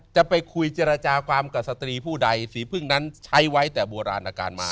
จะไปคุยเจรจาความกับสตรีผู้ใดสีพึ่งนั้นใช้ไว้แต่โบราณอาการมา